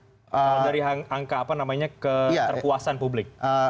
kalau dari angka apa namanya keterpuasan publik